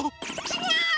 ちがう！